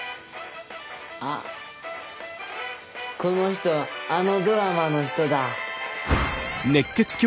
あっこの人あのドラマの人だ。